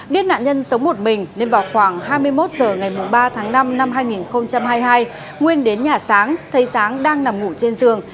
biết nạn nhân sống một mình nên vào khoảng hai mươi một h ngày ba tháng năm năm hai nghìn hai mươi hai nguyên đến nhà sáng thấy sáng đang nằm ngủ trên giường